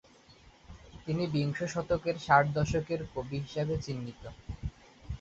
তিনি বিংশ শতকের "ষাট দশকের কবি" হিসাবে চিহ্নিত।